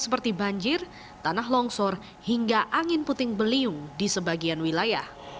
seperti banjir tanah longsor hingga angin puting beliung di sebagian wilayah